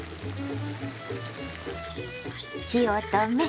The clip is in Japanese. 火を止め